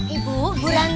eh bu ranti